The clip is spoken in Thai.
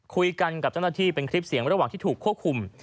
คุยกันกับเจ้าหน้าที่เป็นคลิปเสียงระหว่างที่ถูกควบคุม